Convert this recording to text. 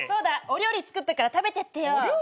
お料理作ったから食べてってよ。